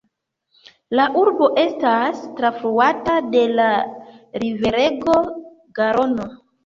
La urbo estas trafluata de la riverego Garono.